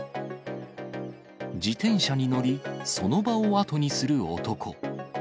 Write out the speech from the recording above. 自転車に乗り、その場を後にする男。